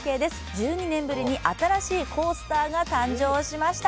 １２年ぶりに新しいコースターが誕生しました。